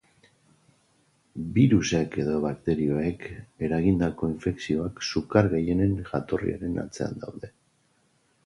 Birusek edo bakterioek eragindako infekzioak sukar gehienen jatorriaren atzean daude.